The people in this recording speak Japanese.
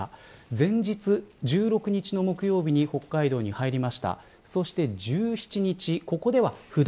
前日１６日に北海道に入りました。